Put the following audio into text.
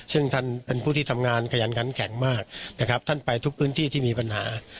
ซึ่งท่านเป็นผู้ที่ทำงานขยันขันแข็งมากนะครับท่านไปทุกพื้นที่ที่มีปัญหา